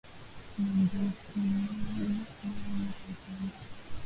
Na njukumabwe nayo mita ipanda